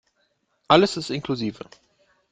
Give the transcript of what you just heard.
Alles ist inklusive.